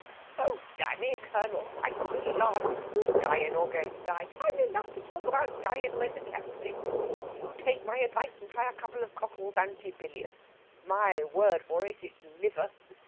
"Oh dammy, Colonel! Why, good Lard! who's dyin' or goin' to die? Time enough to talk about dyin' when the cap fits. You take my advice, and try a couple of Cockle's anti bilious. My word for it, it's liver!..."